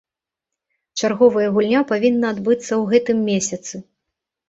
Чарговая гульня павінна адбыцца ў гэтым месяцы.